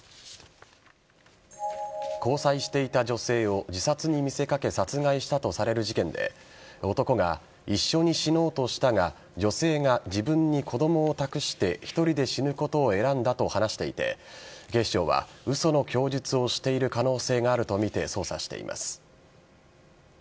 交際していた女性を自殺に見せかけ殺害したとされる事件で男が一緒に死のうとしたが女性が自分に子供を託して１人で死ぬことを選んだと話していて警視庁は嘘の供述をしている可能性があるとみて捜査しています。